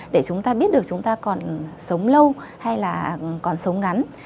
để chúng ta biết được chúng ta còn sống lâu hay là còn sống ngắn